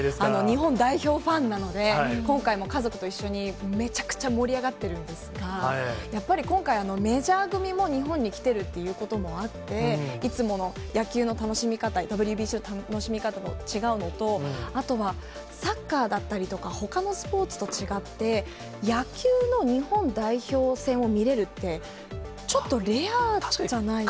日本代表ファンなので、今回も家族と一緒に、めちゃくちゃ盛り上がってるんですが、やっぱり今回、メジャー組も日本に来てるということもあって、いつもの野球の楽しみ方、ＷＢＣの楽しみ方と違うのと、あとは、サッカーだったりとか、ほかのスポーツと違って、野球の日本代表戦を見れるって、ちょっとレアじゃないですか。